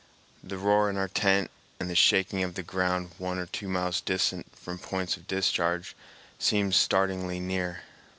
The roar in our tent and the shaking of the ground one or two miles distant from points of discharge seems startlingly near.